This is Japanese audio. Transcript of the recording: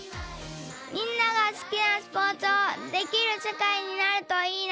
みんながすきなスポーツをできるせかいになるといいな